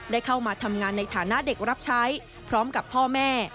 ได้เข้ามาทำงานในฐานะเด็กรับใช้พร้อมกับพ่อแม่